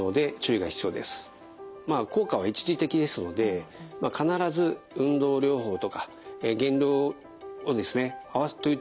まあ効果は一時的ですので必ず運動療法とか減量をですねといった保存療法ですね